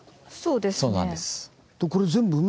そうなんです。